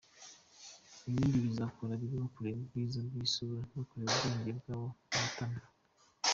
Ibindi bazakora birimo kureba ubwiza bw’isura no kureba ubwenge bw’abo bahatana.